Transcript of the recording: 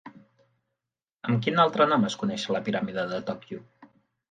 Amb quin altre nom es coneix la Piràmide de Tòquio?